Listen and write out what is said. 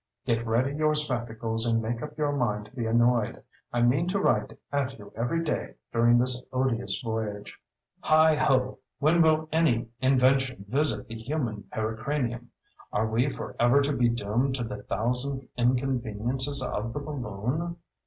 Get ready your spectacles and make up your mind to be annoyed. I mean to write at you every day during this odious voyage. Heigho! when will any Invention visit the human pericranium? Are we forever to be doomed to the thousand inconveniences of the balloon?